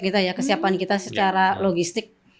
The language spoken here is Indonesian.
kita ya kesiapan kita secara logistik